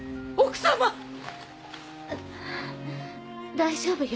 大丈夫よ。